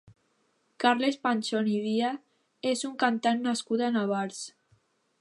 Carles Pachón i Díaz és un cantant nascut a Navars.